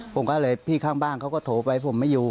ผมก็เลยพี่ข้างบ้านเขาก็โทรไปผมไม่อยู่